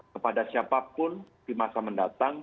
kepada siapapun di masa mendatang